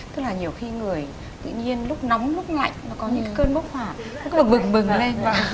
tức là nhiều khi người tự nhiên lúc nóng lúc lạnh nó có những cơn bốc hỏa nó cứ là bừng bừng lên